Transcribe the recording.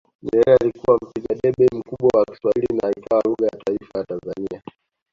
Nyerere alikuwa mpiga debe mkubwa wa Kiswahili na ikawa lugha ya taifa ya Tanzania